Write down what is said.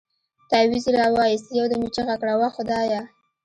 تاويز يې راوايست يو دم يې چيغه کړه وه خدايه.